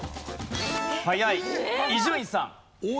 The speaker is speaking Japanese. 早い伊集院さん。